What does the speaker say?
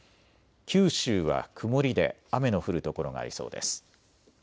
九州は曇りで雨の降る所がありそうです。